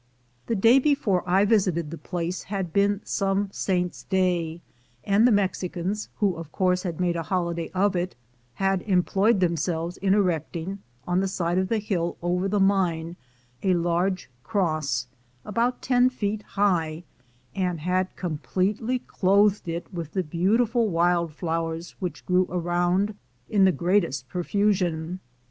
The day before I visited the place had been some saint's day, and the Mexicans, who of course had made a holiday of it, h^d employed themselves in erecting, on the side of the hill over the mine, a large cross, about ten feet high, and had completely clothed it with the beautiful wild flowers which grew around in the greatest profusion.